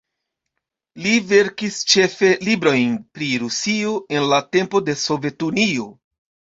Li verkis ĉefe librojn pri Rusio en la tempo de Sovetunio.